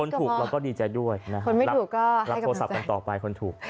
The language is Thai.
ถูกเราก็ดีใจด้วยนะครับรับโทรศัพท์กันต่อไปคนถูก